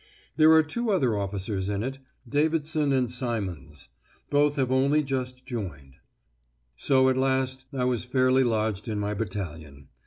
There are two other officers in it, Davidson and Symons. Both have only just joined." So at last I was fairly lodged in my battalion.